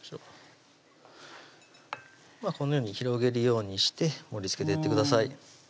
このように広げるようにして盛りつけてってください